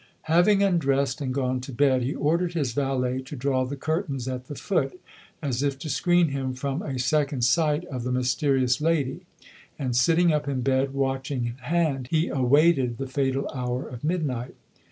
Having undressed and gone to bed, he ordered his valet to draw the curtains at the foot, as if to screen him from a second sight of the mysterious lady, and, sitting up in bed, watch in hand, he awaited the fatal hour of midnight.